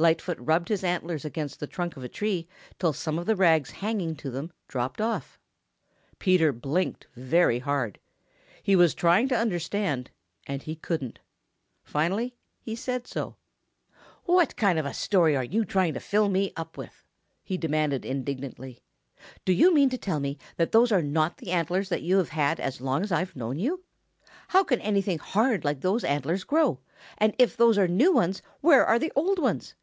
Lightfoot rubbed his antlers against the trunk of a tree till some of the rags hanging to them dropped off. Peter blinked very hard. He was trying to understand and he couldn't. Finally he said so. "What kind of a story are you trying to fill me up with?" he demanded indignantly. "Do you mean to tell me that those are not the antlers that you have had as long as I've known you? How can anything hard like those antlers grow? And if those are new ones, where are the old ones?